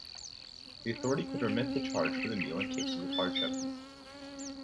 The authority could remit the charge for the meal in cases of hardship.